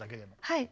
はい。